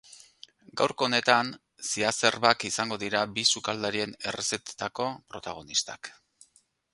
Gaurko honetan, ziazerbak izango dira bi sukaldarien errezetetako protagonistak.